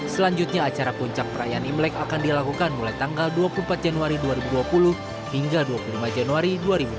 selanjutnya acara puncak perayaan imlek akan dilakukan mulai tanggal dua puluh empat januari dua ribu dua puluh hingga dua puluh lima januari dua ribu dua puluh